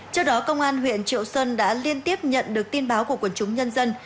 trước đó công an huyện triệu sơn đã liên tiếp nhận được tin báo của quần chúng nhân dân